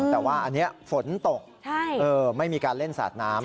แต่ว่าอันนี้ฝนตกไม่มีการเล่นสาดน้ำ